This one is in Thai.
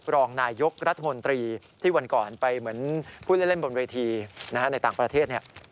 รองนายยกรัฐมนตรีที่วันก่อนไปเหมือนผู้เล่นบนเวทีในต่างประเทศ